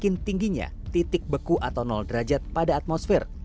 semakin tingginya titik beku atau nol derajat pada atmosfer